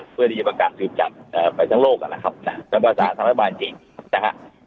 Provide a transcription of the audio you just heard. เพื่อที่จะประกันคือจับไปทั้งโลกกันนะครับภาพภาษาธรรมบาลจีนนะครับ